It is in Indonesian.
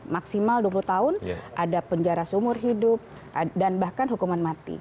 maksimal dua puluh tahun ada penjara seumur hidup dan bahkan hukuman mati